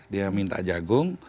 dia minta jagung